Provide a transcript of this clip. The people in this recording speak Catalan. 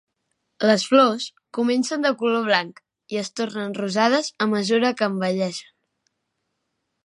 Les flors comencen de color blanc i es tornen rosades a mesura que envelleixen.